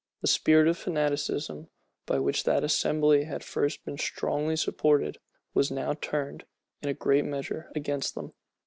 The spirit of fanaticism, by which that assembly had at first been strongly supported, was now turned, in a great measure, against them.